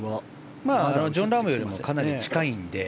まあジョン・ラームよりもかなり近いので。